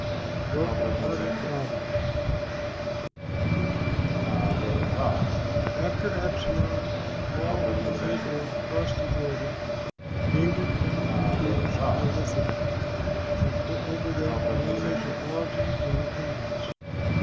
A BROKEN HEARTED FATHER After Absalom and all the men of Israel crossed the Jordan, David counted the troops who were with him, and put over them commanders of thousands and of hundreds.